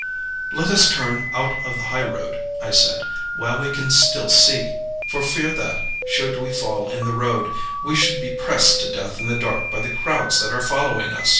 "Let us turn out of the highroad," I said, "while we can still see, for fear that, should we fall in the road, we should be pressed to death in the dark by the crowds that are following us."